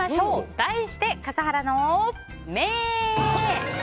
題して、笠原の眼！